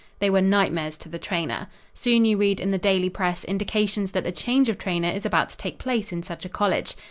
They were nightmares to the trainer. Soon you read in the daily press indications that a change of trainer is about to take place in such a college.